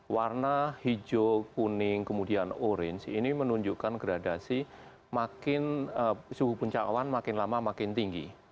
warna hijau kuning kemudian orange ini menunjukkan gradasi suhu puncak awan makin lama makin tinggi